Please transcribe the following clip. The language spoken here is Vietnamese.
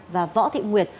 và võ thị nguyệt